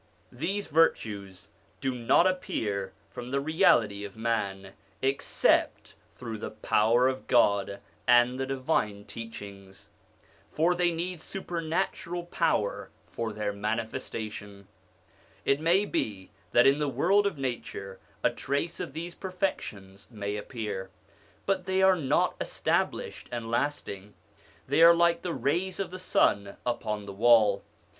These virtues do not appear from the reality of man except through the power of God and the divine teach ings, for they need supernatural power for their mani festation. It may be that in the world of nature a trace of these perfections may appear; but they are not established and lasting ; they are like the rays of the sun upon the wall.